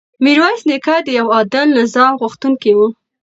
میرویس نیکه د یو عادل نظام غوښتونکی و.